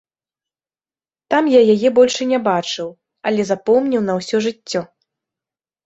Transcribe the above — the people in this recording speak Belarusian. Так я яе больш і не бачыў, але запомніў на ўсё жыццё.